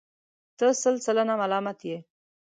ته سل سلنه ملامت یې.